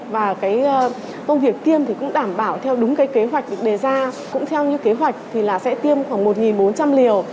và cái công việc tiêm thì cũng đảm bảo theo đúng cái kế hoạch được đề ra cũng theo như kế hoạch thì là sẽ tiêm khoảng một bốn trăm linh liều